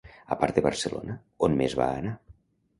A part de Barcelona, on més va anar?